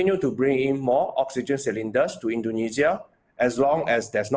kita akan terus membawa lebih banyak tabung oksigen ke indonesia sampai tidak cukup di sini